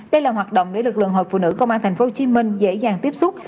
đây là hoạt động để lực lượng hội phụ nữ công an tp hcm dễ dàng tiếp xúc